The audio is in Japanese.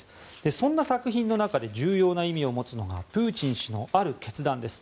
そんな作品の中で重要な意味を持つのがプーチン氏のある決断です。